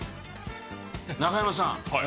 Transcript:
中山さん。